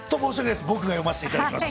僕が読ませていただきます。